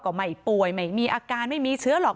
ก็ไม่ป่วยไม่มีอาการไม่มีเชื้อหรอก